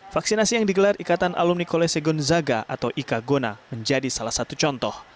vaksinasi yang digelar ikatan alumni kolesegonzaga atau ika gona menjadi salah satu contoh